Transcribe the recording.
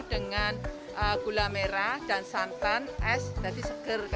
dengan gula merah dan salam